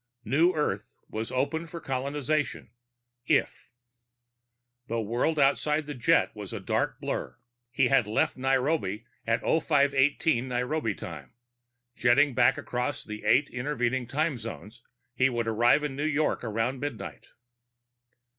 New Earth was open for colonization, if.... The world outside the jet was a dark blur. He had left Nairobi at 0518 Nairobi time; jetting back across the eight intervening time zones, he would arrive in New York around midnight.